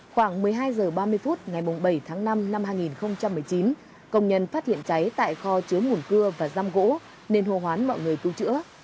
khoảng một mươi hai h ba mươi phút ngày bảy tháng năm năm hai nghìn một mươi chín công nhân phát hiện cháy tại kho chứa mùn cưa và giam gỗ nên hô hoán mọi người cứu chữa